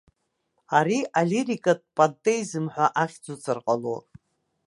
Ари алирикатә пантеизм ҳәа ахьӡуҵар ҟалоит.